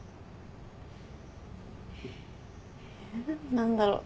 何だろう。